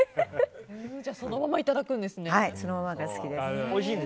そのままいただくんですね。